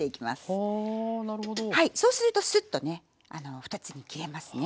はいそうするとスッとね２つに切れますね。